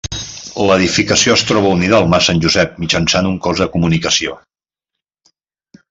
L'edificació es troba unida al mas Sant Josep mitjançant un cos de comunicació.